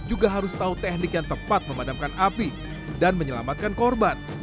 juga harus tahu teknik yang tepat memadamkan api dan menyelamatkan korban